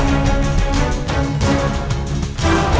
saya ibu satu seudah donors free